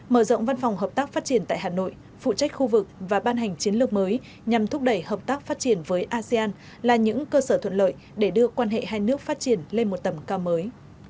mở rộng văn phòng hợp tác phát triển tại hà nội phụ trách khu vực và ban hành chiến lược mới nhằm thúc đẩy hợp tác phát triển với asean là những cơ sở thuận lợi để đưa quan hệ hai nước phát triển lên một tầm cao mới